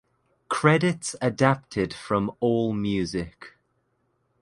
Credits adapted from All Music.